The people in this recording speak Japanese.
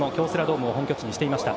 大阪を本拠地にしていました。